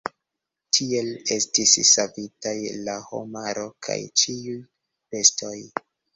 Tiel estis savitaj la homaro kaj ĉiuj bestoj.